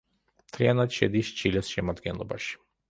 მთლიანად შედის ჩილეს შემადგენლობაში.